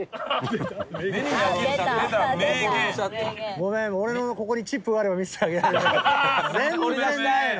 ごめん俺のここにチップがあれば見せてあげられるけど全然ないの！